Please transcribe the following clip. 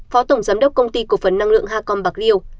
phó tổng giám đốc công ty cổ phấn năng lượng hacom bạc liêu